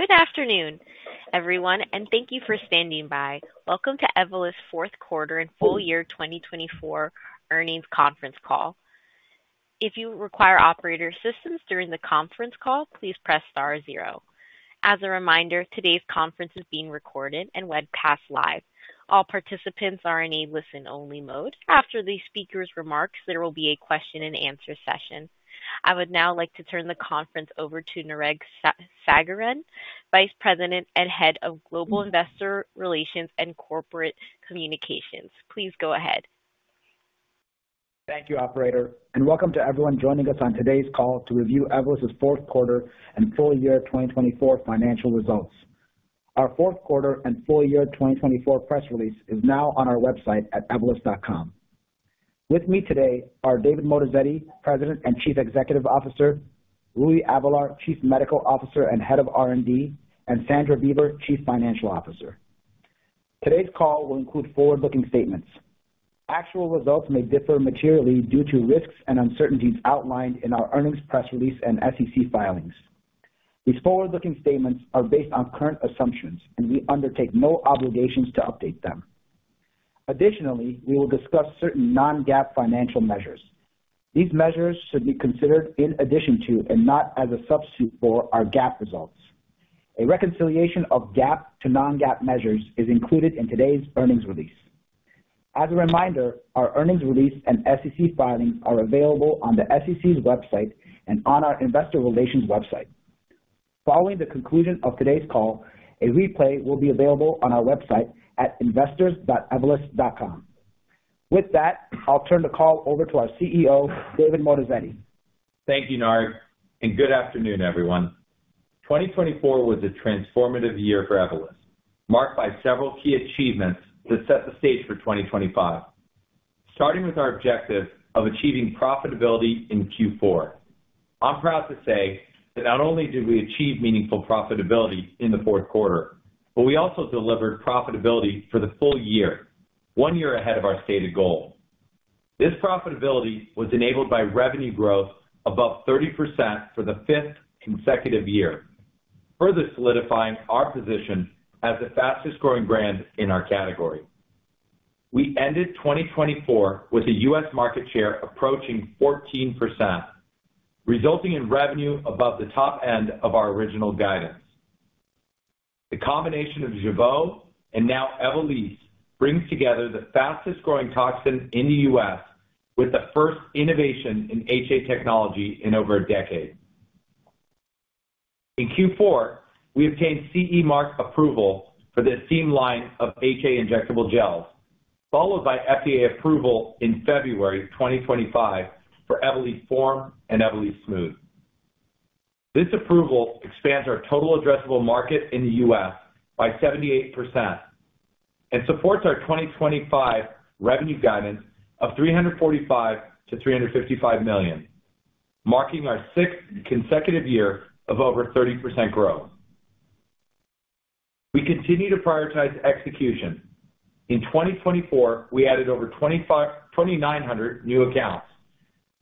Good afternoon, everyone, and thank you for standing by. Welcome to Evolus' fourth quarter and full year 2024 earnings conference call. If you require operator assistance during the conference call, please press star zero. As a reminder, today's conference is being recorded and webcast live. All participants are in a listen-only mode. After the speaker's remarks, there will be a question-and-answer session. I would now like to turn the conference over to Nareg Sagherian, Vice President and Head of Global Investor Relations and Corporate Communications. Please go ahead. Thank you, Operator, and welcome to everyone joining us on today's call to review Evolus' fourth quarter and full year 2024 financial results. Our fourth quarter and full year 2024 press release is now on our website at evolus.com. With me today are David Moatazedi, President and Chief Executive Officer; Rui Avelar, Chief Medical Officer and Head of R&D; and Sandra Beaver, Chief Financial Officer. Today's call will include forward-looking statements. Actual results may differ materially due to risks and uncertainties outlined in our earnings press release and SEC filings. These forward-looking statements are based on current assumptions, and we undertake no obligations to update them. Additionally, we will discuss certain non-GAAP financial measures. These measures should be considered in addition to and not as a substitute for our GAAP results. A reconciliation of GAAP to non-GAAP measures is included in today's earnings release. As a reminder, our earnings release and SEC filings are available on the SEC's website and on our Investor Relations website. Following the conclusion of today's call, a replay will be available on our website at investors.evolus.com. With that, I'll turn the call over to our CEO, David Moatazedi. Thank you, Nareg, and good afternoon, everyone. 2024 was a transformative year for Evolus, marked by several key achievements that set the stage for 2025, starting with our objective of achieving profitability in Q4. I'm proud to say that not only did we achieve meaningful profitability in the fourth quarter, but we also delivered profitability for the full year, one year ahead of our stated goal. This profitability was enabled by revenue growth above 30% for the fifth consecutive year, further solidifying our position as the fastest-growing brand in our category. We ended 2024 with a U.S. market share approaching 14%, resulting in revenue above the top end of our original guidance. The combination of Jeuveau and now Evolus brings together the fastest-growing toxin in the U.S. with the first innovation in HA technology in over a decade. In Q4, we obtained CE Mark approval for the Evolysse line of HA injectable gels, followed by FDA approval in February 2025 for Evolus Form and Evolus Smooth. This approval expands our total addressable market in the U.S. by 78% and supports our 2025 revenue guidance of $345-$355 million, marking our sixth consecutive year of over 30% growth. We continue to prioritize execution. In 2024, we added over 2,900 new accounts,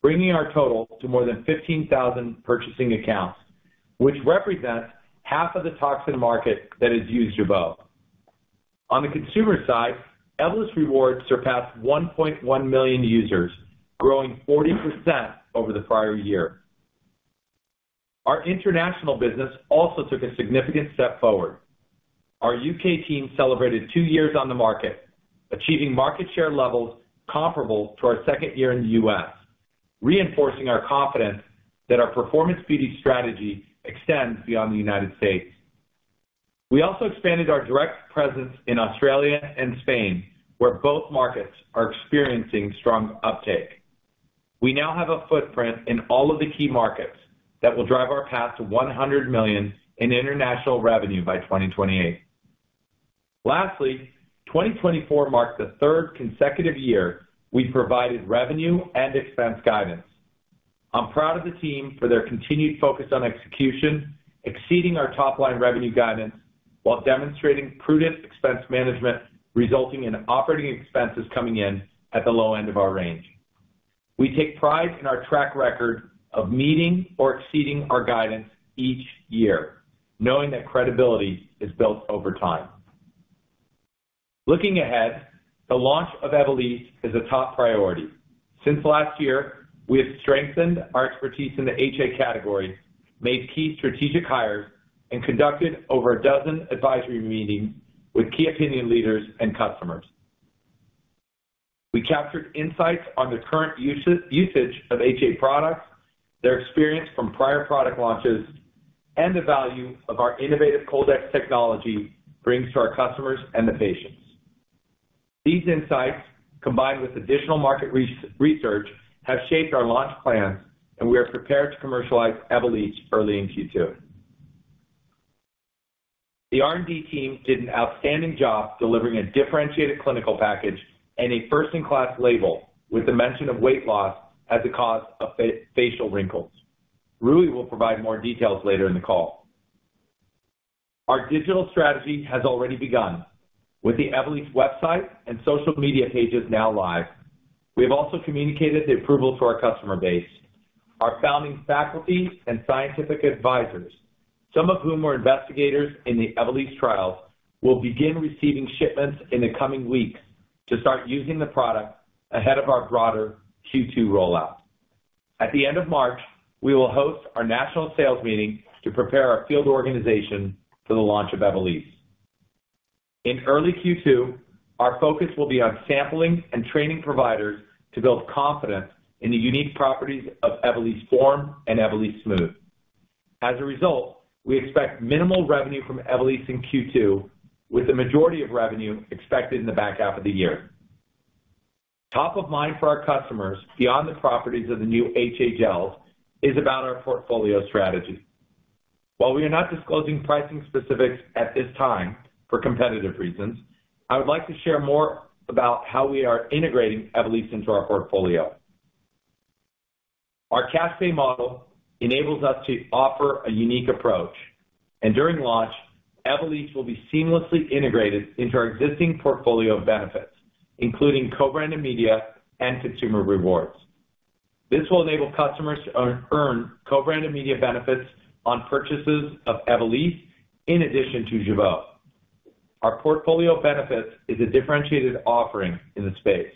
bringing our total to more than 15,000 purchasing accounts, which represents half of the toxin market that is used Jeuveau. On the consumer side, Evolus Rewards surpassed 1.1 million users, growing 40% over the prior year. Our international business also took a significant step forward. Our U.K. team celebrated two years on the market, achieving market share levels comparable to our second year in the U.S., reinforcing our confidence that our performance beauty strategy extends beyond the United States. We also expanded our direct presence in Australia and Spain, where both markets are experiencing strong uptake. We now have a footprint in all of the key markets that will drive our path to $100 million in international revenue by 2028. Lastly, 2024 marked the third consecutive year we've provided revenue and expense guidance. I'm proud of the team for their continued focus on execution, exceeding our top-line revenue guidance while demonstrating prudent expense management, resulting in operating expenses coming in at the low end of our range. We take pride in our track record of meeting or exceeding our guidance each year, knowing that credibility is built over time. Looking ahead, the launch of Evolus is a top priority. Since last year, we have strengthened our expertise in the HA category, made key strategic hires, and conducted over a dozen advisory meetings with key opinion leaders and customers. We captured insights on the current usage of HA products, their experience from prior product launches, and the value our innovative COLDEX Technology brings to our customers and the patients. These insights, combined with additional market research, have shaped our launch plans, and we are prepared to commercialize Evolus early in Q2. The R&D team did an outstanding job delivering a differentiated clinical package and a first-in-class label with the mention of weight loss as a cause of facial wrinkles. Rui will provide more details later in the call. Our digital strategy has already begun. With the Evolus website and social media pages now live, we have also communicated the approval to our customer base. Our founding faculty and scientific advisors, some of whom were investigators in the Evolus trials, will begin receiving shipments in the coming weeks to start using the product ahead of our broader Q2 rollout. At the end of March, we will host our national sales meeting to prepare our field organization for the launch of Evolus. In early Q2, our focus will be on sampling and training providers to build confidence in the unique properties of Evolus Form and Evolus Smooth. As a result, we expect minimal revenue from Evolus in Q2, with the majority of revenue expected in the back half of the year. Top of mind for our customers beyond the properties of the new HA gels is about our portfolio strategy. While we are not disclosing pricing specifics at this time for competitive reasons, I would like to share more about how we are integrating Evolus into our portfolio. Our cash-pay model enables us to offer a unique approach, and during launch, Evolus will be seamlessly integrated into our existing portfolio of benefits, including co-branded media and consumer rewards. This will enable customers to earn co-branded media benefits on purchases of Evolus in addition to Jeuveau. Our portfolio of benefits is a differentiated offering in the space.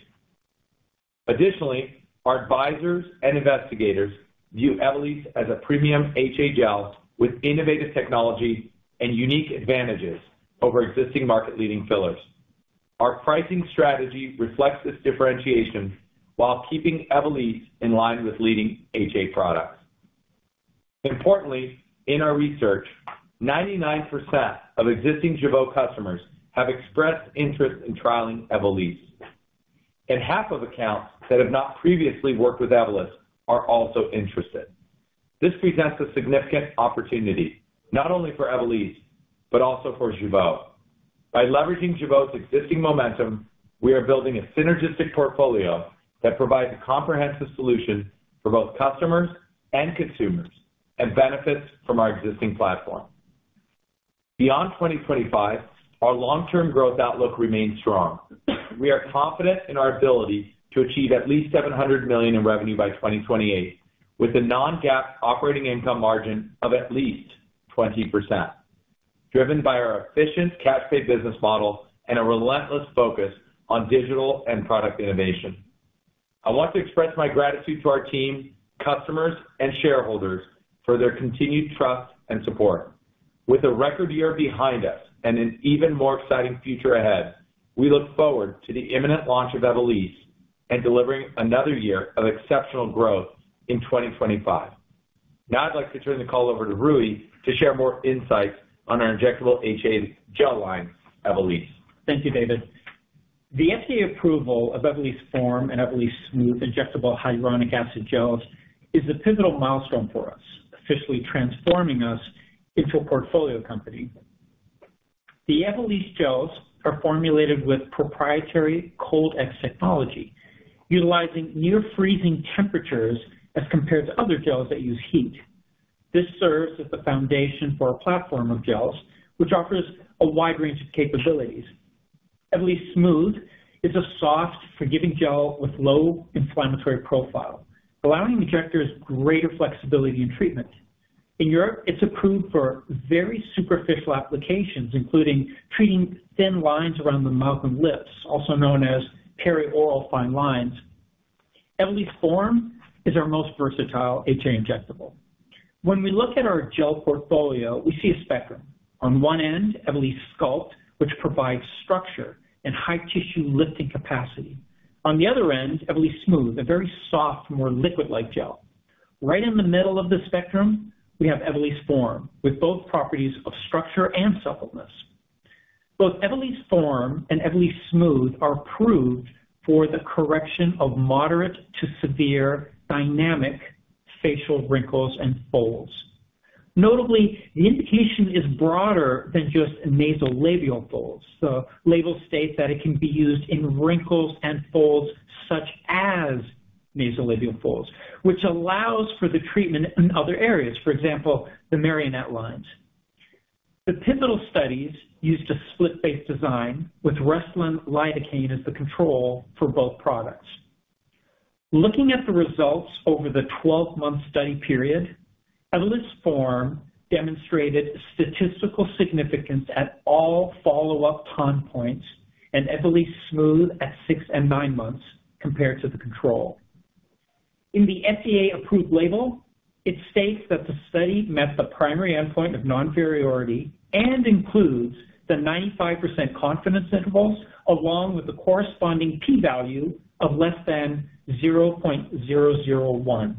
Additionally, our advisors and investigators view Evolus as a premium HA gel with innovative technology and unique advantages over existing market-leading fillers. Our pricing strategy reflects this differentiation while keeping Evolus in line with leading HA products. Importantly, in our research, 99% of existing Jeuveau customers have expressed interest in trialing Evolus, and half of accounts that have not previously worked with Evolus are also interested. This presents a significant opportunity not only for Evolus but also for Jeuveau. By leveraging Jeuveau's existing momentum, we are building a synergistic portfolio that provides a comprehensive solution for both customers and consumers and benefits from our existing platform. Beyond 2025, our long-term growth outlook remains strong. We are confident in our ability to achieve at least $700 million in revenue by 2028, with a non-GAAP operating income margin of at least 20%, driven by our efficient cash-pay business model and a relentless focus on digital and product innovation. I want to express my gratitude to our team, customers, and shareholders for their continued trust and support. With a record year behind us and an even more exciting future ahead, we look forward to the imminent launch of Evolus and delivering another year of exceptional growth in 2025. Now, I'd like to turn the call over to Rui to share more insights on our injectable HA gel line, Evolus. Thank you, David. The FDA approval of Evolus Form and Evolus Smooth injectable hyaluronic acid gels is a pivotal milestone for us, officially transforming us into a portfolio company. The Evolus gels are formulated with proprietary COLDEX technology, utilizing near-freezing temperatures as compared to other gels that use heat. This serves as the foundation for our platform of gels, which offers a wide range of capabilities. Evolus Smooth is a soft, forgiving gel with low inflammatory profile, allowing injectors greater flexibility in treatment. In Europe, it is approved for very superficial applications, including treating thin lines around the mouth and lips, also known as perioral fine lines. Evolus Form is our most versatile HA injectable. When we look at our gel portfolio, we see a spectrum. On one end, Evolus Sculpt, which provides structure and high-tissue lifting capacity. On the other end, Evolus Smooth, a very soft, more liquid-like gel. Right in the middle of the spectrum, we have Evolus Form, with both properties of structure and suppleness. Both Evolus Form and Evolus Smooth are approved for the correction of moderate to severe dynamic facial wrinkles and folds. Notably, the indication is broader than just nasolabial folds. The labels state that it can be used in wrinkles and folds such as nasolabial folds, which allows for the treatment in other areas, for example, the marionette lines. The pivotal studies used a split-face design with Restylane Lidocaine as the control for both products. Looking at the results over the 12-month study period, Evolus Form demonstrated statistical significance at all follow-up time points and Evolus Smooth at six and nine months compared to the control. In the FDA-approved label, it states that the study met the primary endpoint of non-priority and includes the 95% confidence intervals along with the corresponding p-value of less than 0.001,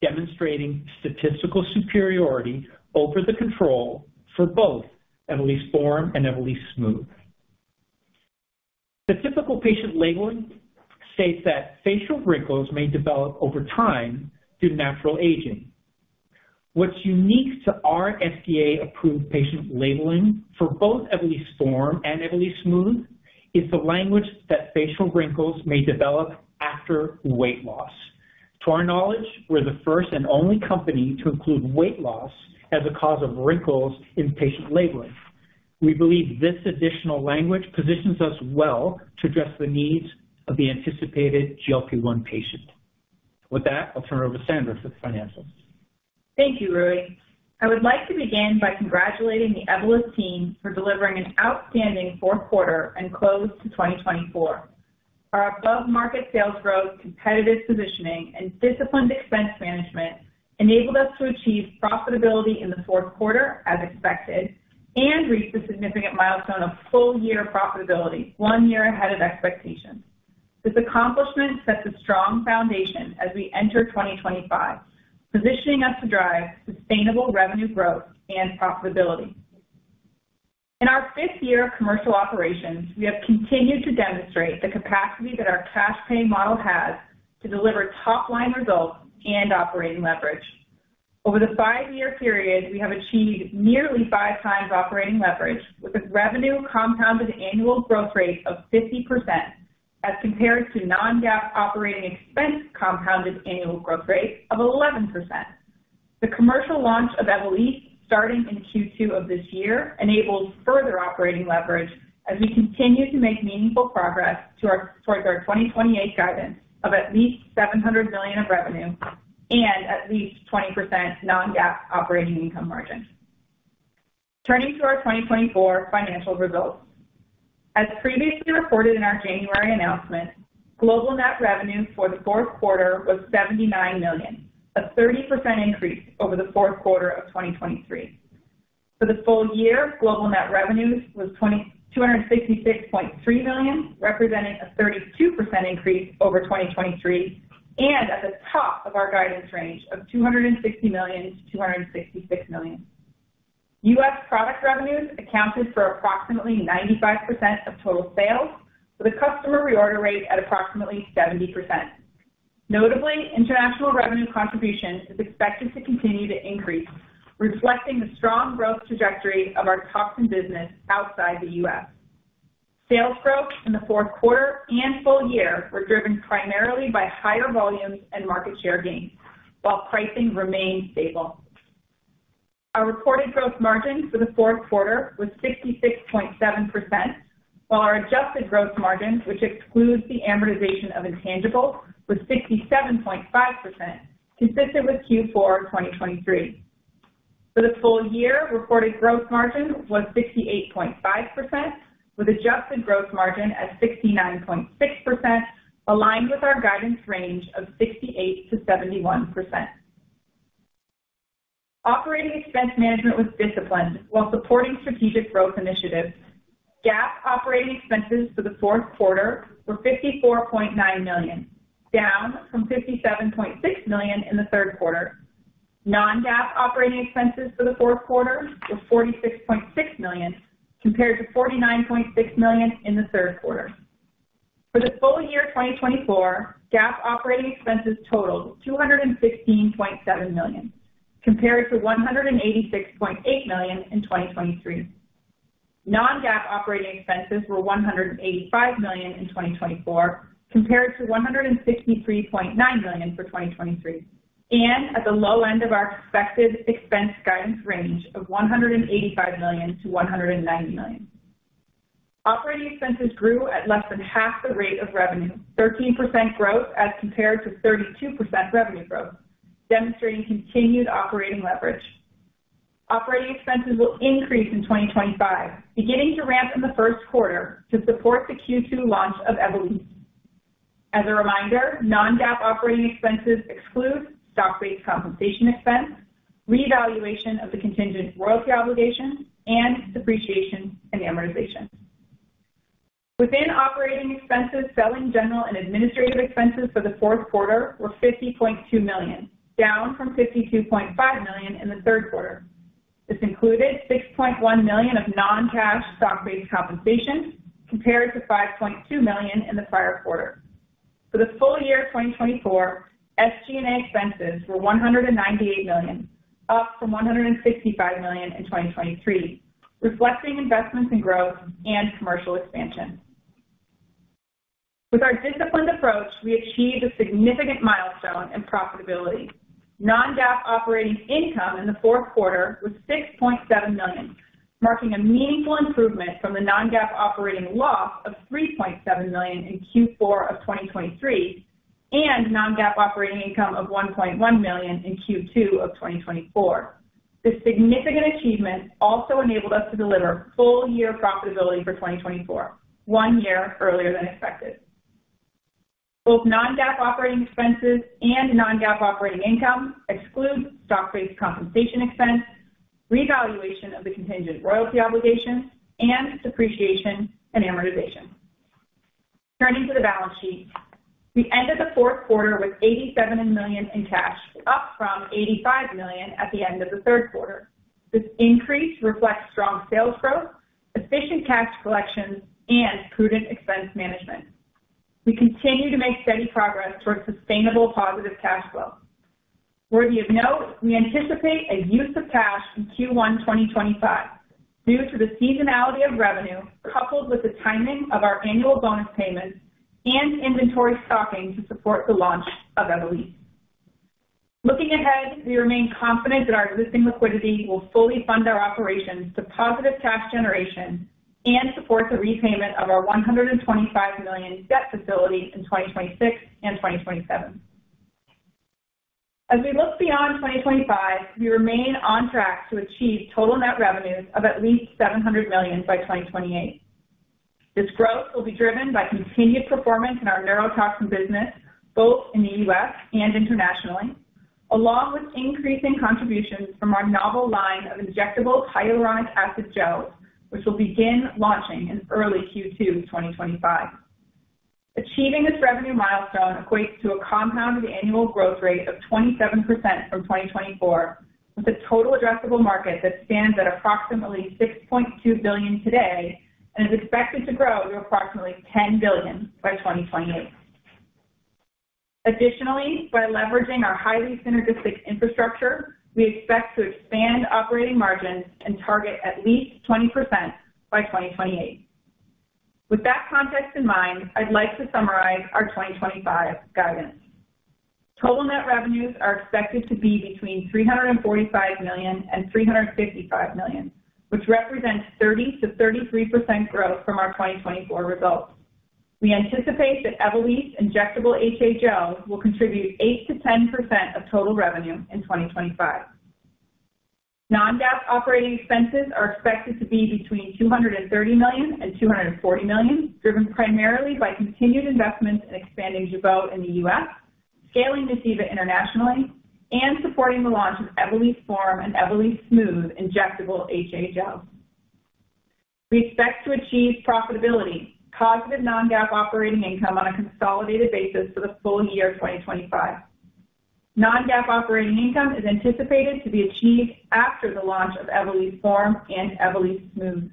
demonstrating statistical superiority over the control for both Evolus Form and Evolus Smooth. The typical patient labeling states that facial wrinkles may develop over time due to natural aging. What's unique to our FDA-approved patient labeling for both Evolus Form and Evolus Smooth is the language that facial wrinkles may develop after weight loss. To our knowledge, we're the first and only company to include weight loss as a cause of wrinkles in patient labeling. We believe this additional language positions us well to address the needs of the anticipated GLP-1 patient. With that, I'll turn it over to Sandra for the financials. Thank you, Rui. I would like to begin by congratulating the Evolus team for delivering an outstanding fourth quarter and close to 2024. Our above-market sales growth, competitive positioning, and disciplined expense management enabled us to achieve profitability in the fourth quarter as expected and reached a significant milestone of full-year profitability, one year ahead of expectations. This accomplishment sets a strong foundation as we enter 2025, positioning us to drive sustainable revenue growth and profitability. In our fifth year of commercial operations, we have continued to demonstrate the capacity that our cash-pay model has to deliver top-line results and operating leverage. Over the five-year period, we have achieved nearly five times operating leverage, with a revenue compounded annual growth rate of 50% as compared to non-GAAP operating expense compounded annual growth rate of 11%. The commercial launch of Evolus starting in Q2 of this year enables further operating leverage as we continue to make meaningful progress towards our 2028 guidance of at least $700 million of revenue and at least 20% non-GAAP operating income margin. Turning to our 2024 financial results, as previously reported in our January announcement, global net revenue for the fourth quarter was $79 million, a 30% increase over the fourth quarter of 2023. For the full year, global net revenue was $266.3 million, representing a 32% increase over 2023 and at the top of our guidance range of $260 million-$266 million. U.S. product revenues accounted for approximately 95% of total sales, with a customer reorder rate at approximately 70%. Notably, international revenue contributions are expected to continue to increase, reflecting the strong growth trajectory of our Toxin business outside the U.S. Sales growth in the fourth quarter and full year were driven primarily by higher volumes and market share gains, while pricing remained stable. Our reported gross margin for the fourth quarter was 66.7%, while our adjusted gross margin, which excludes the amortization of intangibles, was 67.5%, consistent with Q4 2023. For the full year, reported gross margin was 68.5%, with adjusted gross margin at 69.6%, aligned with our guidance range of 68-71%. Operating expense management was disciplined while supporting strategic growth initiatives. GAAP operating expenses for the fourth quarter were $54.9 million, down from $57.6 million in the third quarter. Non-GAAP operating expenses for the fourth quarter were $46.6 million compared to $49.6 million in the third quarter. For the full year 2024, GAAP operating expenses totaled $216.7 million compared to $186.8 million in 2023. Non-GAAP operating expenses were $185 million in 2024 compared to $163.9 million for 2023 and at the low end of our expected expense guidance range of $185 million-$190 million. Operating expenses grew at less than half the rate of revenue, 13% growth as compared to 32% revenue growth, demonstrating continued operating leverage. Operating expenses will increase in 2025, beginning to ramp in the first quarter to support the Q2 launch of Evolus. As a reminder, non-GAAP operating expenses exclude stock-based compensation expense, revaluation of the contingent royalty obligation, and depreciation and amortization. Within operating expenses, selling, general and administrative expenses for the fourth quarter were $50.2 million, down from $52.5 million in the third quarter. This included $6.1 million of non-cash stock-based compensation compared to $5.2 million in the prior quarter. For the full year 2024, SG&A expenses were $198 million, up from $165 million in 2023, reflecting investments in growth and commercial expansion. With our disciplined approach, we achieved a significant milestone in profitability. Non-GAAP operating income in the fourth quarter was $6.7 million, marking a meaningful improvement from the non-GAAP operating loss of $3.7 million in Q4 of 2023 and non-GAAP operating income of $1.1 million in Q2 of 2024. This significant achievement also enabled us to deliver full-year profitability for 2024, one year earlier than expected. Both non-GAAP operating expenses and non-GAAP operating income exclude stock-based compensation expense, revaluation of the contingent royalty obligation, and depreciation and amortization. Turning to the balance sheet, we ended the fourth quarter with $87 million in cash, up from $85 million at the end of the third quarter. This increase reflects strong sales growth, efficient cash collections, and prudent expense management. We continue to make steady progress towards sustainable positive cash flow. Worthy of note, we anticipate a use of cash in Q1 2025 due to the seasonality of revenue coupled with the timing of our annual bonus payments and inventory stocking to support the launch of Evolus. Looking ahead, we remain confident that our existing liquidity will fully fund our operations to positive cash generation and support the repayment of our $125 million debt facility in 2026 and 2027. As we look beyond 2025, we remain on track to achieve total net revenues of at least $700 million by 2028. This growth will be driven by continued performance in our neurotoxin business, both in the U.S. and internationally, along with increasing contributions from our novel line of injectable hyaluronic acid gels, which will begin launching in early Q2 2025. Achieving this revenue milestone equates to a compounded annual growth rate of 27% from 2024, with a total addressable market that stands at approximately $6.2 billion today and is expected to grow to approximately $10 billion by 2028. Additionally, by leveraging our highly synergistic infrastructure, we expect to expand operating margins and target at least 20% by 2028. With that context in mind, I'd like to summarize our 2025 guidance. Total net revenues are expected to be between $345 million and $355 million, which represents 30%-33% growth from our 2024 results. We anticipate that Evolus injectable HA gels will contribute 8%-10% of total revenue in 2025. Non-GAAP operating expenses are expected to be between $230 million and $240 million, driven primarily by continued investments in expanding Jeuveau in the U.S., scaling Evolysse internationally, and supporting the launch of Evolus Form and Evolus Smooth injectable HA gels. We expect to achieve profitability, positive non-GAAP operating income on a consolidated basis for the full year 2025. Non-GAAP operating income is anticipated to be achieved after the launch of Evolus Form and Evolus Smooth,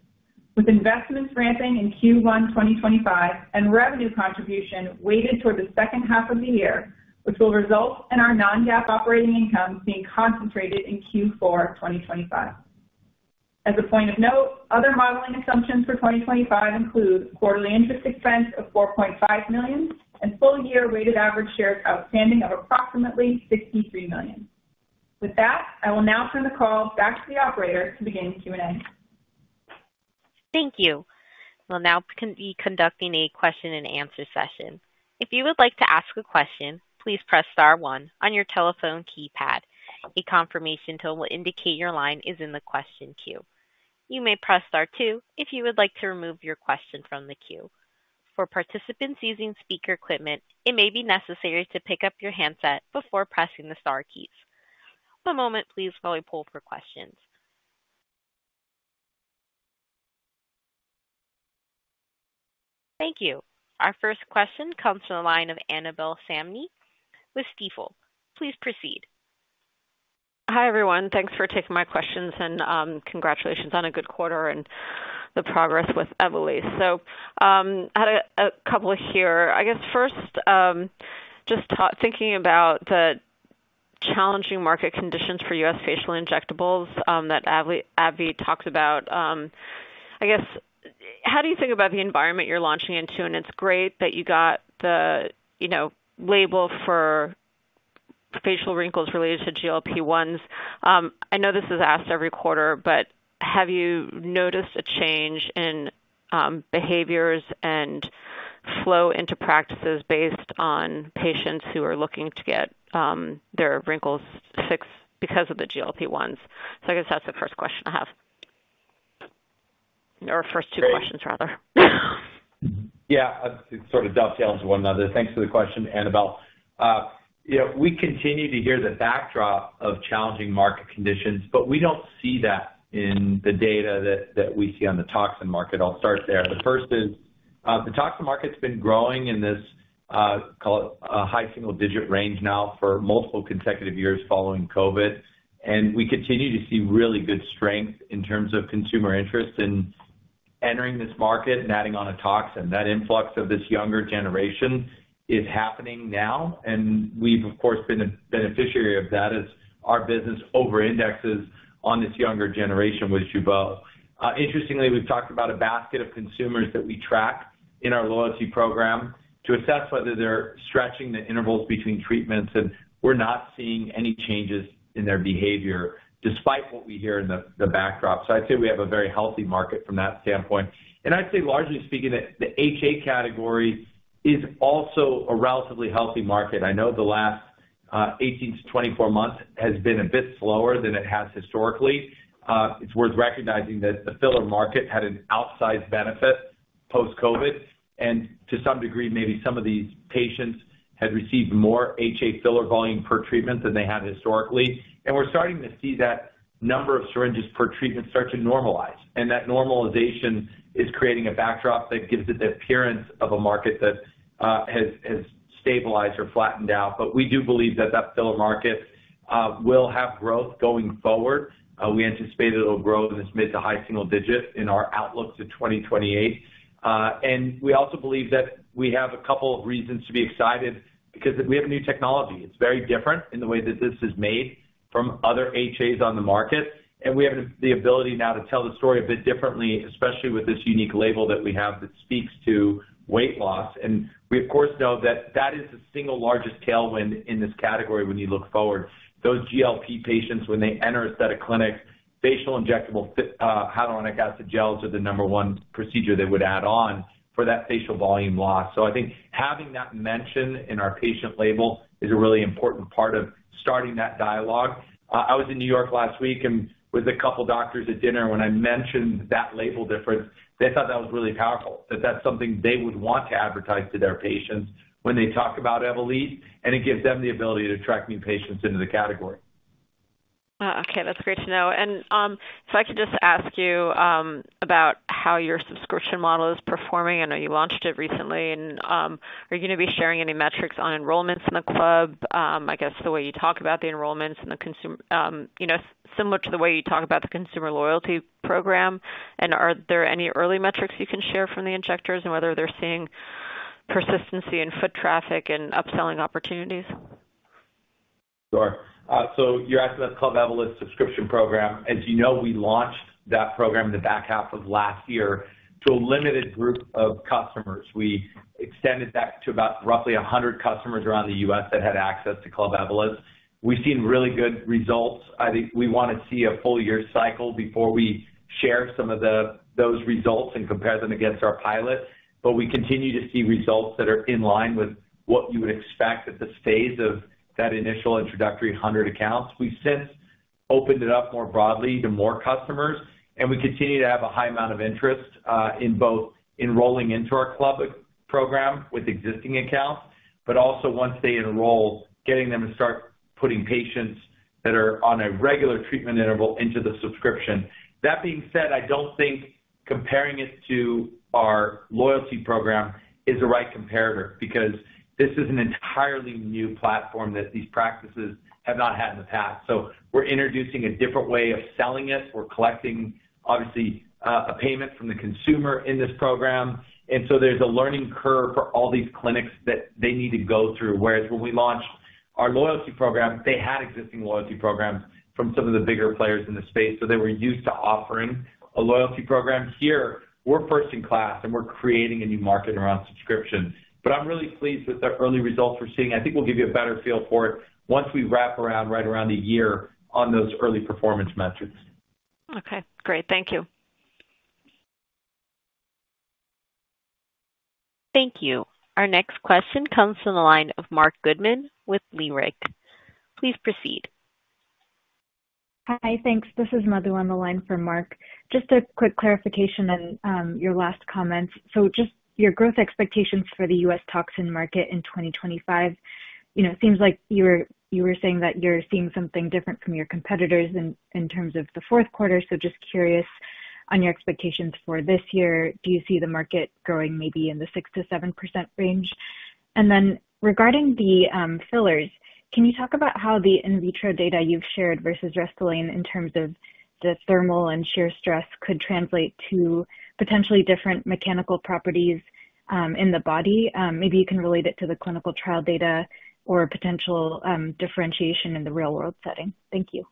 with investments ramping in Q1 2025 and revenue contribution weighted toward the second half of the year, which will result in our non-GAAP operating income being concentrated in Q4 2025. As a point of note, other modeling assumptions for 2025 include quarterly interest expense of $4.5 million and full-year weighted average shares outstanding of approximately 63 million. With that, I will now turn the call back to the operator to begin Q&A. Thank you. We will now be conducting a question-and-answer session. If you would like to ask a question, please press star one on your telephone keypad. A confirmation tone will indicate your line is in the question queue. You may press star two if you would like to remove your question from the queue. For participants using speaker equipment, it may be necessary to pick up your handset before pressing the star keys. One moment, please, while we pull for questions. Thank you. Our first question comes from the line of Annabel Samimy with Stifel. Please proceed. Hi everyone. Thanks for taking my questions and congratulations on a good quarter and the progress with Evolus. I had a couple here. I guess first, just thinking about the challenging market conditions for U.S. facial injectables that AbbVie talked about, I guess, how do you think about the environment you're launching into? It is great that you got the label for facial wrinkles related to GLP-1s. I know this is asked every quarter, but have you noticed a change in behaviors and flow into practices based on patients who are looking to get their wrinkles fixed because of the GLP-1s? I guess that's the first question I have, or first two questions rather. Yeah, it sort of dovetails one another. Thanks for the question, Annabel. We continue to hear the backdrop of challenging market conditions, but we don't see that in the data that we see on the Toxin market. I'll start there. The first is the Toxin market's been growing in this, call it, high single-digit range now for multiple consecutive years following COVID. We continue to see really good strength in terms of consumer interest in entering this market and adding on a Toxin. That influx of this younger generation is happening now. We've, of course, been a beneficiary of that as our business over-indexes on this younger generation with Jeuveau. Interestingly, we've talked about a basket of consumers that we track in our loyalty program to assess whether they're stretching the intervals between treatments, and we're not seeing any changes in their behavior despite what we hear in the backdrop. I'd say we have a very healthy market from that standpoint. I'd say, largely speaking, that the HA category is also a relatively healthy market. I know the last 18 to 24 months has been a bit slower than it has historically. It's worth recognizing that the filler market had an outsized benefit post-COVID. To some degree, maybe some of these patients had received more HA filler volume per treatment than they had historically. We're starting to see that number of syringes per treatment start to normalize. That normalization is creating a backdrop that gives it the appearance of a market that has stabilized or flattened out. We do believe that that filler market will have growth going forward. We anticipate it'll grow in this mid to high single digit in our outlook to 2028. We also believe that we have a couple of reasons to be excited because we have new technology. It's very different in the way that this is made from other HAs on the market. We have the ability now to tell the story a bit differently, especially with this unique label that we have that speaks to weight loss. We, of course, know that that is the single largest tailwind in this category when you look forward. Those GLP patients, when they enter aesthetic clinics, facial injectable hyaluronic acid gels are the number one procedure they would add on for that facial volume loss. I think having that mention in our patient label is a really important part of starting that dialogue. I was in New York last week with a couple of doctors at dinner. When I mentioned that label difference, they thought that was really powerful, that that's something they would want to advertise to their patients when they talk about Evolus, and it gives them the ability to attract new patients into the category. Okay, that's great to know. If I could just ask you about how your subscription model is performing. I know you launched it recently. Are you going to be sharing any metrics on enrollments in the club, I guess, the way you talk about the enrollments and the consumer, similar to the way you talk about the consumer loyalty program? Are there any early metrics you can share from the injectors and whether they're seeing persistency in foot traffic and upselling opportunities? Sure. You're asking about the Club Avelar subscription program. As you know, we launched that program in the back half of last year to a limited group of customers. We extended that to about 100 customers around the U.S. that had access to Club Avelar. We've seen really good results. We want to see a full year cycle before we share some of those results and compare them against our pilot. We continue to see results that are in line with what you would expect at this phase of that initial introductory 100 accounts. We've since opened it up more broadly to more customers, and we continue to have a high amount of interest in both enrolling into our club program with existing accounts, but also once they enroll, getting them to start putting patients that are on a regular treatment interval into the subscription. That being said, I don't think comparing it to our loyalty program is the right comparator because this is an entirely new platform that these practices have not had in the past. We're introducing a different way of selling it. We're collecting, obviously, a payment from the consumer in this program. There's a learning curve for all these clinics that they need to go through. Whereas when we launched our loyalty program, they had existing loyalty programs from some of the bigger players in the space, so they were used to offering a loyalty program. Here, we're first in class, and we're creating a new market around subscription. I'm really pleased with the early results we're seeing. I think we'll give you a better feel for it once we wrap around right around a year on those early performance metrics. Okay, great. Thank you. Thank you. Our next question comes from the line of Marc Goodman with Leerink Partners. Please proceed. Hi, thanks. This is Madhu on the line from Mark. Just a quick clarification on your last comments. Just your growth expectations for the U.S. Toxin market in 2025, it seems like you were saying that you're seeing something different from your competitors in terms of the fourth quarter. Just curious on your expectations for this year. Do you see the market growing maybe in the 6%-7% range? Regarding the fillers, can you talk about how the in vitro data you've shared versus Restylane in terms of the thermal and shear stress could translate to potentially different mechanical properties in the body? Maybe you can relate it to the clinical trial data or potential differentiation in the real-world setting. Thank you.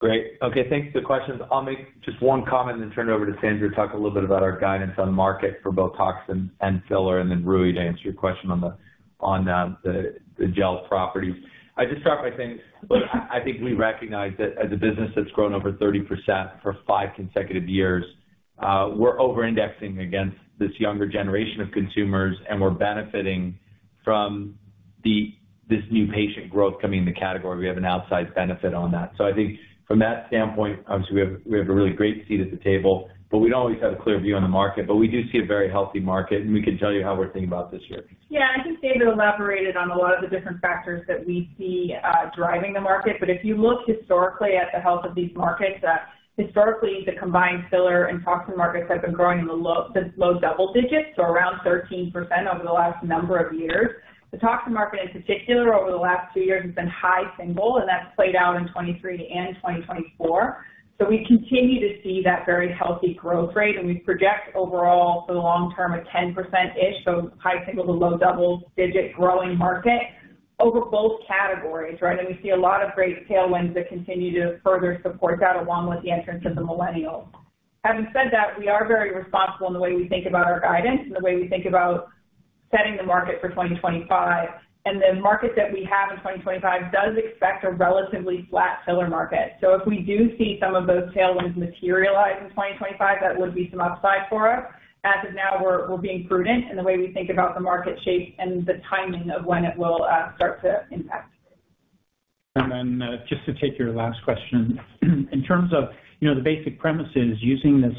Great. Okay, thanks for the questions. I'll make just one comment and turn it over to Sandra to talk a little bit about our guidance on market for both Toxin and Filler and then Rui to answer your question on the gel properties. I just start by saying I think we recognize that as a business that's grown over 30% for five consecutive years, we're over-indexing against this younger generation of consumers, and we're benefiting from this new patient growth coming in the category. We have an outside benefit on that. I think from that standpoint, obviously, we have a really great seat at the table, but we don't always have a clear view on the market. We do see a very healthy market, and we can tell you how we're thinking about this year. Yeah, I think David elaborated on a lot of the different factors that we see driving the market. If you look historically at the health of these markets, historically, the combined filler and Toxin markets have been growing in the low double digits, so around 13% over the last number of years. The Toxin market in particular, over the last two years, has been high single, and that's played out in 2023 and 2024. We continue to see that very healthy growth rate, and we project overall for the long term a 10%-ish, so high single to low double digit growing market over both categories, right? We see a lot of great tailwinds that continue to further support that along with the entrance of the millennials. Having said that, we are very responsible in the way we think about our guidance and the way we think about setting the market for 2025. The market that we have in 2025 does expect a relatively flat filler market. If we do see some of those tailwinds materialize in 2025, that would be some upside for us. As of now, we're being prudent in the way we think about the market shape and the timing of when it will start to impact. And then just to take your last question, in terms of the basic premises, using this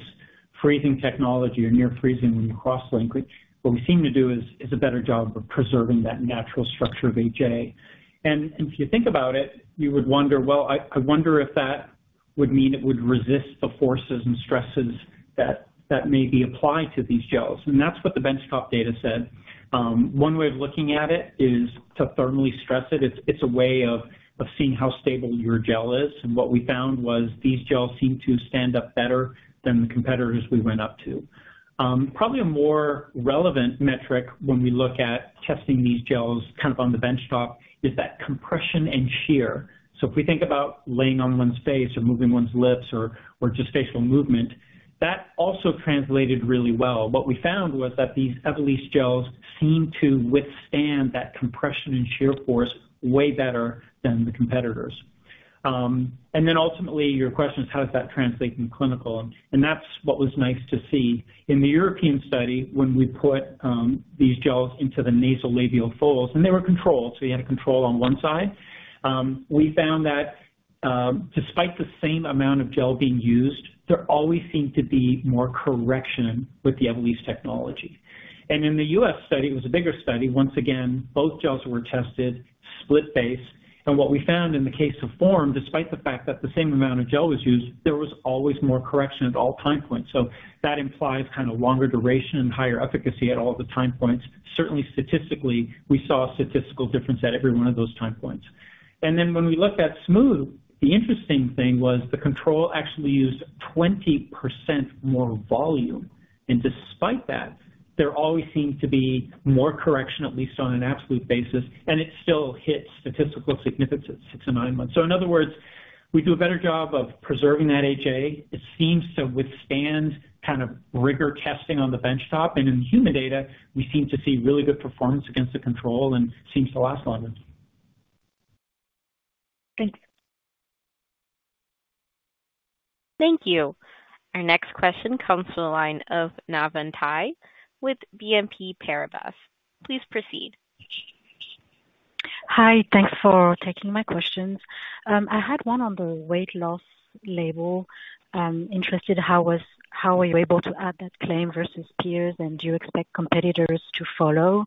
freezing technology or near-freezing when you cross-link, what we seem to do is a better job of preserving that natural structure of HA. If you think about it, you would wonder, I wonder if that would mean it would resist the forces and stresses that may be applied to these gels. That is what the benchtop data said. One way of looking at it is to thermally stress it. It is a way of seeing how stable your gel is. What we found was these gels seem to stand up better than the competitors we went up to. Probably a more relevant metric when we look at testing these gels kind of on the benchtop is that compression and shear. If we think about laying on one's face or moving one's lips or just facial movement, that also translated really well. What we found was that these Evolysse gels seem to withstand that compression and shear force way better than the competitors. Ultimately, your question is, how does that translate in clinical? That was nice to see. In the European study, when we put these gels into the nasolabial folds, and they were controlled, so you had a control on one side, we found that despite the same amount of gel being used, there always seemed to be more correction with the Evolysse technology. In the U.S. study, it was a bigger study. Once again, both gels were tested split base. What we found in the case of Form, despite the fact that the same amount of gel was used, there was always more correction at all time points. That implies kind of longer duration and higher efficacy at all the time points. Certainly, statistically, we saw a statistical difference at every one of those time points. When we looked at Smooth, the interesting thing was the control actually used 20% more volume. Despite that, there always seemed to be more correction, at least on an absolute basis, and it still hit statistical significance at six and nine months. In other words, we do a better job of preserving that HA. It seems to withstand kind of rigor testing on the benchtop. In the human data, we seem to see really good performance against the control and seems to last longer. Thanks. Thank you. Our next question comes from the line of Navann Ty with BNP Paribas. Please proceed. Hi, thanks for taking my questions. I had one on the weight loss label. Interested how were you able to add that claim versus peers, and do you expect competitors to follow?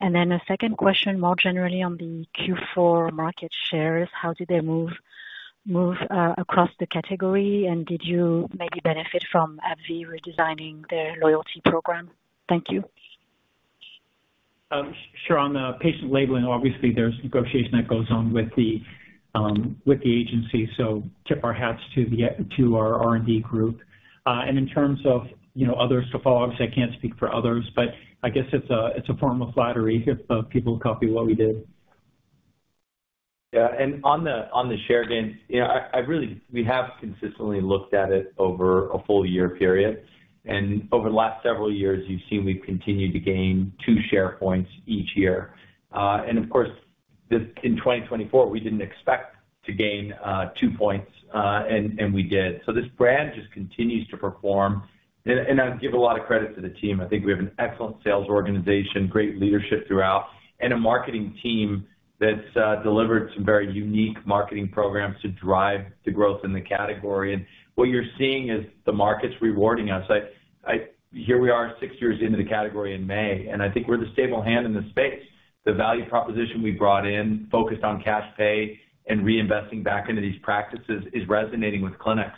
A second question more generally on the Q4 market shares. How did they move across the category, and did you maybe benefit from AbbVie redesigning their loyalty program? Thank you. Sure. On the patient labeling, obviously, there's negotiation that goes on with the agency. So tip our hats to our R&D group. In terms of others to follow, obviously, I can't speak for others, but I guess it's a form of flattery if people copy what we did. Yeah. On the share gain, we have consistently looked at it over a full year period. Over the last several years, you've seen we've continued to gain two share points each year. In 2024, we didn't expect to gain two points, and we did. This brand just continues to perform. I give a lot of credit to the team. I think we have an excellent sales organization, great leadership throughout, and a marketing team that's delivered some very unique marketing programs to drive the growth in the category. What you're seeing is the market's rewarding us. Here we are six years into the category in May, and I think we're the stable hand in the space. The value proposition we brought in, focused on cash pay and reinvesting back into these practices, is resonating with clinics.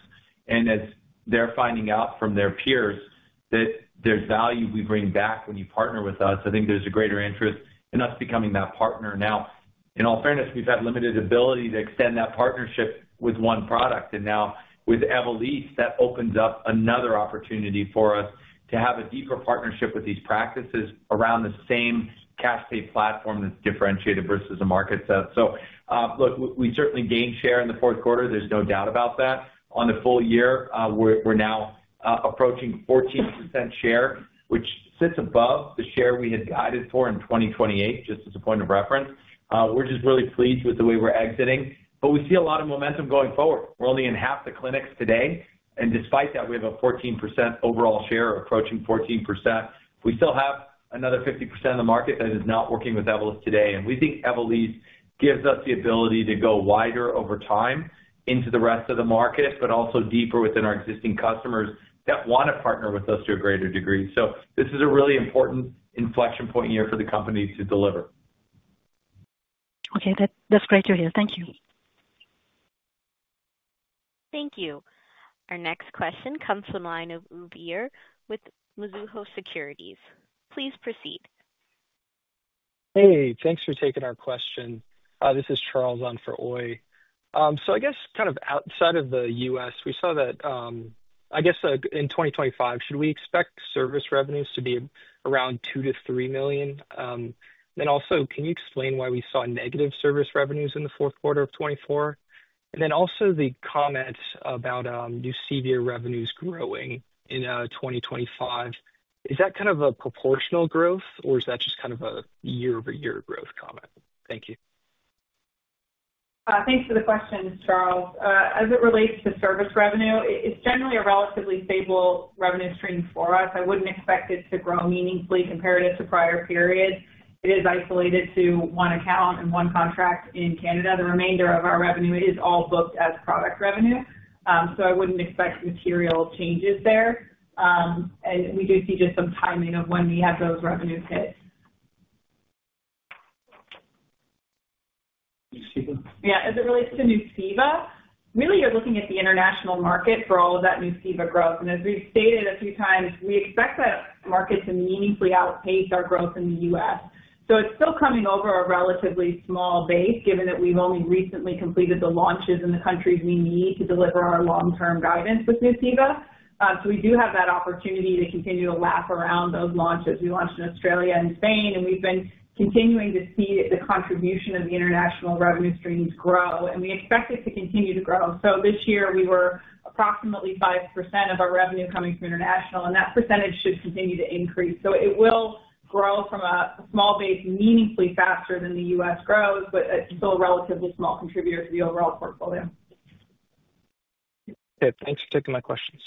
As they're finding out from their peers that there's value we bring back when you partner with us, I think there's a greater interest in us becoming that partner now. In all fairness, we've had limited ability to extend that partnership with one product. Now with Evolysse, that opens up another opportunity for us to have a deeper partnership with these practices around the same cash pay platform that's differentiated versus the market. Look, we certainly gained share in the fourth quarter. There's no doubt about that. On the full year, we're now approaching 14% share, which sits above the share we had guided for in 2028, just as a point of reference. We're just really pleased with the way we're exiting. We see a lot of momentum going forward. We're only in half the clinics today. Despite that, we have a 14% overall share approaching 14%. We still have another 50% of the market that is not working with Evolus today. We think Evolus gives us the ability to go wider over time into the rest of the market, but also deeper within our existing customers that want to partner with us to a greater degree. This is a really important inflection point year for the company to deliver. Okay, that's great to hear. Thank you. Thank you. Our next question comes from the line of Uy Ear with Mizuho Securities. Please proceed. Hey, thanks for taking our question. This is Charles on for Uy. I guess kind of outside of the U.S., we saw that, I guess, in 2025, should we expect service revenues to be around $2 million-$3 million? Also, can you explain why we saw negative service revenues in the fourth quarter of 2024? Also, the comment about new CVR revenues growing in 2025, is that kind of a proportional growth, or is that just kind of a year-over-year growth comment? Thank you. Thanks for the question, Charles. As it relates to service revenue, it's generally a relatively stable revenue stream for us. I wouldn't expect it to grow meaningfully compared to prior periods. It is isolated to one account and one contract in Canada. The remainder of our revenue is all booked as product revenue. I wouldn't expect material changes there. We do see just some timing of when we have those revenues hit. Nextiva? Yeah. As it relates to Nextiva, really, you're looking at the international market for all of that Nextiva growth. As we've stated a few times, we expect that market to meaningfully outpace our growth in the U.S. It is still coming over a relatively small base, given that we've only recently completed the launches in the countries we need to deliver our long-term guidance with Nextiva. We do have that opportunity to continue to lap around those launches. We launched in Australia and Spain, and we've been continuing to see the contribution of the international revenue streams grow. We expect it to continue to grow. This year, we were approximately 5% of our revenue coming from international, and that percentage should continue to increase. It will grow from a small base meaningfully faster than the U.S. grows, but it's still a relatively small contributor to the overall portfolio. Okay, thanks for taking my questions.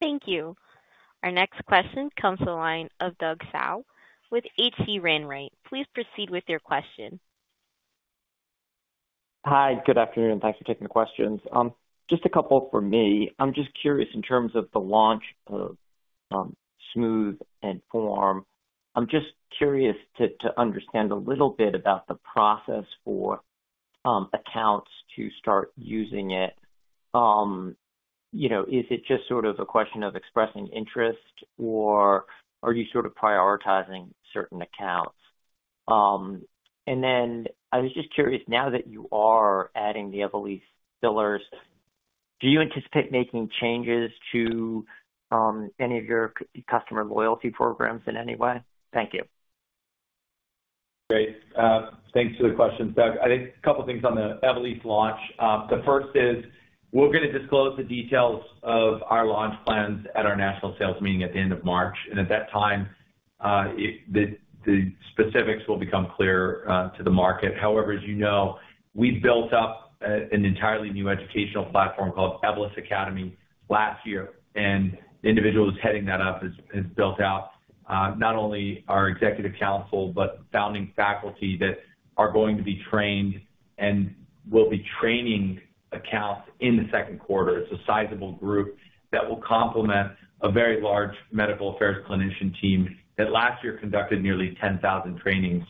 Thank you. Our next question comes from the line of Doug Tsao with H.C. Wainwright. Please proceed with your question. Hi, good afternoon. Thanks for taking the questions. Just a couple for me. I'm just curious in terms of the launch of Smooth and Form. I'm just curious to understand a little bit about the process for accounts to start using it. Is it just sort of a question of expressing interest, or are you sort of prioritizing certain accounts? I was just curious, now that you are adding the Evolysse fillers, do you anticipate making changes to any of your customer loyalty programs in any way? Thank you. Great. Thanks for the question, Doug. I think a couple of things on the Evolysse launch. The first is we're going to disclose the details of our launch plans at our national sales meeting at the end of March. At that time, the specifics will become clear to the market. However, as you know, we built up an entirely new educational platform called Evolysse Academy last year. The individuals heading that up have built out not only our executive council, but founding faculty that are going to be trained and will be training accounts in the second quarter. It is a sizable group that will complement a very large medical affairs clinician team that last year conducted nearly 10,000 trainings.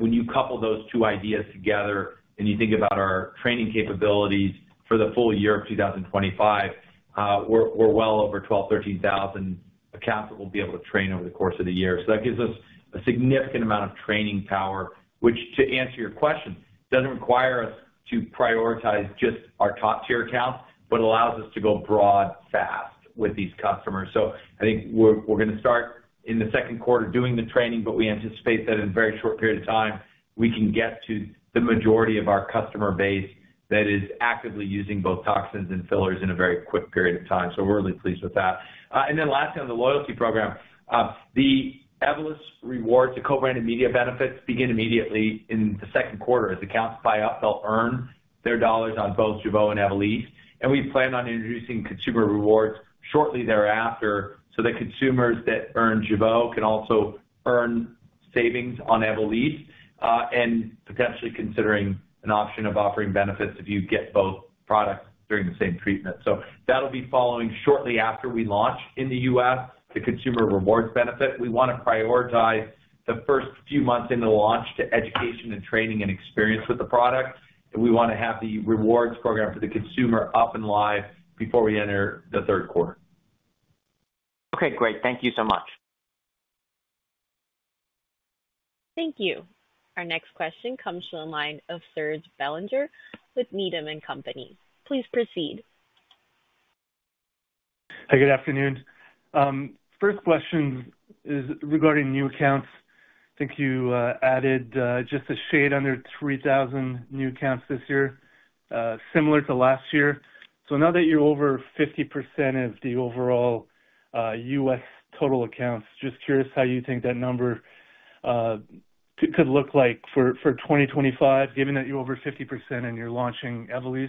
When you couple those two ideas together and you think about our training capabilities for the full year of 2025, we are well over 12,000-13,000 accounts that we will be able to train over the course of the year. That gives us a significant amount of training power, which, to answer your question, does not require us to prioritize just our top-tier accounts, but allows us to go broad fast with these customers. I think we're going to start in the second quarter doing the training, but we anticipate that in a very short period of time, we can get to the majority of our customer base that is actively using both toxins and fillers in a very quick period of time. We're really pleased with that. Lastly, on the loyalty program, the Evolysse Rewards, the co-branded media benefits begin immediately in the second quarter. As accounts buy up, they'll earn their dollars on both Jeuveau and Evolysse. We plan on introducing consumer rewards shortly thereafter so that consumers that earn Jeuveau can also earn savings on Evolysse and potentially considering an option of offering benefits if you get both products during the same treatment. That'll be following shortly after we launch in the U.S., the consumer rewards benefit. We want to prioritize the first few months into the launch to education and training and experience with the product. We want to have the rewards program for the consumer up and live before we enter the third quarter. Okay, great. Thank you so much. Thank you. Our next question comes from the line of Serge Belanger with Needham & Company. Please proceed. Hi, good afternoon. First question is regarding new accounts. I think you added just a shade under 3,000 new accounts this year, similar to last year. So now that you're over 50% of the overall U.S. total accounts, just curious how you think that number could look like for 2025, given that you're over 50% and you're launching Evolysse?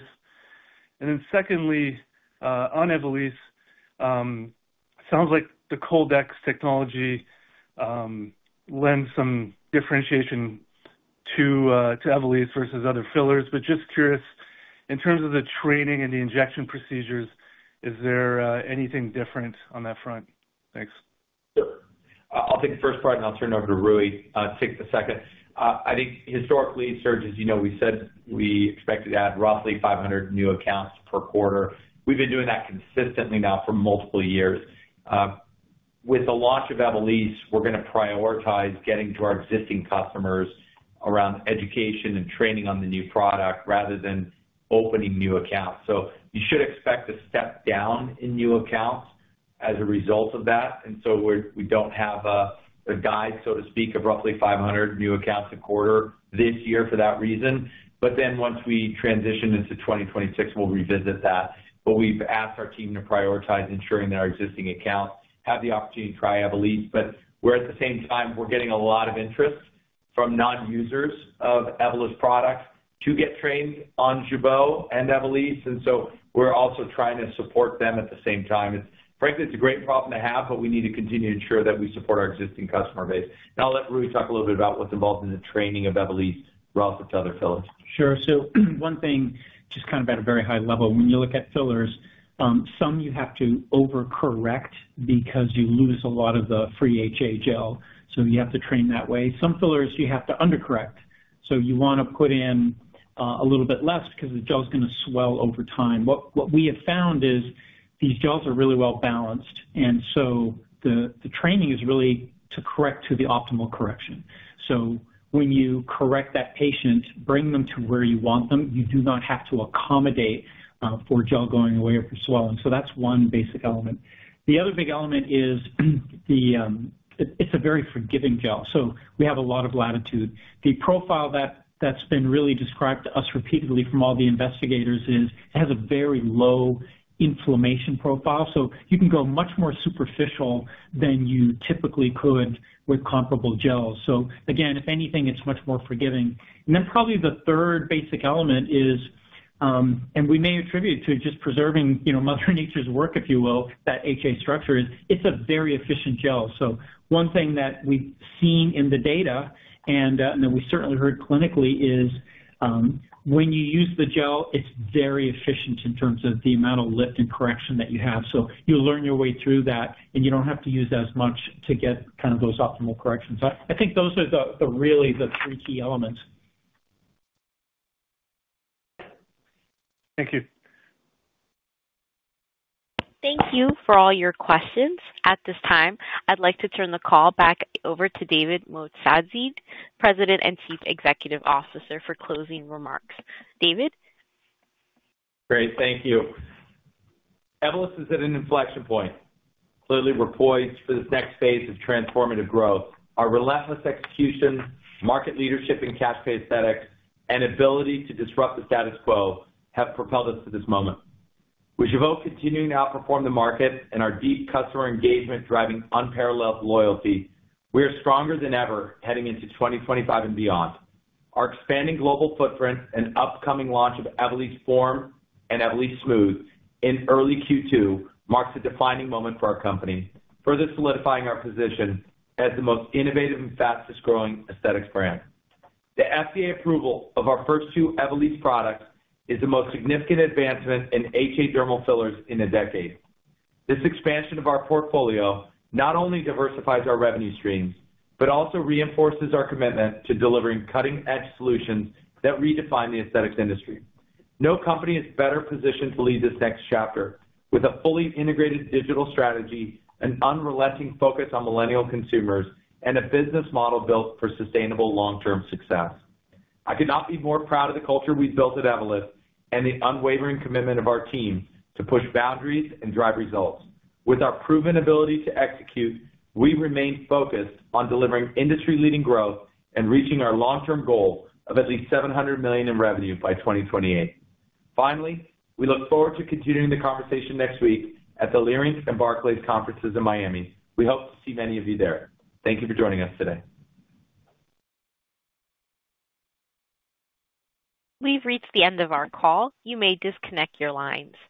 Secondly, on Evolysse, it sounds like the Coldex Technology lends some differentiation to Evolysse versus other fillers. Just curious, in terms of the training and the injection procedures, is there anything different on that front? Thanks. Sure. I'll take the first part, and I'll turn it over to Rui to take the second. I think historically, Serge, as you know, we said we expected to add roughly 500 new accounts per quarter. We've been doing that consistently now for multiple years. With the launch of Evolysse, we're going to prioritize getting to our existing customers around education and training on the new product rather than opening new accounts. You should expect a step down in new accounts as a result of that. We don't have a guide, so to speak, of roughly 500 new accounts a quarter this year for that reason. Once we transition into 2026, we'll revisit that. We've asked our team to prioritize ensuring that our existing accounts have the opportunity to try Evolysse. At the same time, we're getting a lot of interest from non-users of Evolysse products to get trained on Jeuveau and Evolysse. We're also trying to support them at the same time. Frankly, it's a great problem to have, but we need to continue to ensure that we support our existing customer base. Now, I'll let Rui talk a little bit about what's involved in the training of Evolysse relative to other fillers. Sure. So one thing, just kind of at a very high level, when you look at fillers, some you have to overcorrect because you lose a lot of the free HA gel. So you have to train that way. Some fillers, you have to undercorrect. So you want to put in a little bit less because the gel is going to swell over time. What we have found is these gels are really well balanced. And so the training is really to correct to the optimal correction. So when you correct that patient, bring them to where you want them, you do not have to accommodate for gel going away or for swelling. So that's one basic element. The other big element is it's a very forgiving gel. So we have a lot of latitude. The profile that's been really described to us repeatedly from all the investigators is it has a very low inflammation profile. You can go much more superficial than you typically could with comparable gels. If anything, it's much more forgiving. Probably the third basic element is, and we may attribute to just preserving Mother Nature's work, if you will, that HA structure is it's a very efficient gel. One thing that we've seen in the data, and we certainly heard clinically, is when you use the gel, it's very efficient in terms of the amount of lift and correction that you have. You learn your way through that, and you don't have to use as much to get kind of those optimal corrections. I think those are really the three key elements. Thank you. Thank you for all your questions. At this time, I'd like to turn the call back over to David Moatazedi, President and Chief Executive Officer, for closing remarks. David? Great. Thank you. Evolus is at an inflection point. Clearly, we're poised for this next phase of transformative growth. Our relentless execution, market leadership in cash pay aesthetics, and ability to disrupt the status quo have propelled us to this moment. With Jeuveau continuing to outperform the market and our deep customer engagement driving unparalleled loyalty, we are stronger than ever heading into 2025 and beyond. Our expanding global footprint and upcoming launch of Evolus Form and Evolus Smooth in early Q2 marks a defining moment for our company, further solidifying our position as the most innovative and fastest-growing aesthetics brand. The FDA approval of our first two Evolus products is the most significant advancement in HA dermal fillers in a decade. This expansion of our portfolio not only diversifies our revenue streams, but also reinforces our commitment to delivering cutting-edge solutions that redefine the aesthetics industry. No company is better positioned to lead this next chapter with a fully integrated digital strategy, an unrelenting focus on millennial consumers, and a business model built for sustainable long-term success. I could not be more proud of the culture we've built at Evolus and the unwavering commitment of our team to push boundaries and drive results. With our proven ability to execute, we remain focused on delivering industry-leading growth and reaching our long-term goal of at least $700 million in revenue by 2028. Finally, we look forward to continuing the conversation next week at the Leerink and Barclays Conferences in Miami. We hope to see many of you there. Thank you for joining us today. We've reached the end of our call. You may disconnect your lines.